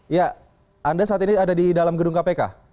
ya anda saat ini ada di dalam gedung kpk